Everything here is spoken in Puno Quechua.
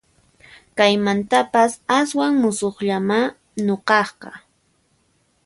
Kaymantapas aswan musuqllamá nuqaqqa